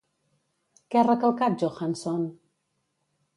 Què ha recalcat Johanson?